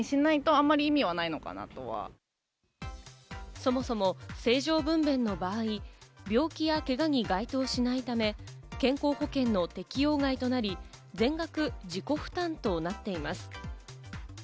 そもそも正常分娩の場合、病気やけがに該当しないため、健康保険の適用外となり、全額自己負担となっています。